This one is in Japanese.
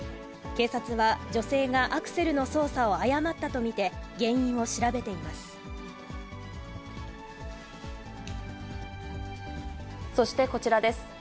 警察は、女性がアクセルの操作を誤ったと見て、原因を調べていまそしてこちらです。